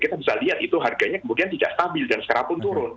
kita bisa lihat itu harganya kemudian tidak stabil dan sekarang pun turun